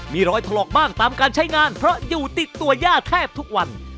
มีรอยถลอกบ้างตามการใช้งานเพราะอยู่ติดตัวย่าแทบทุกวัน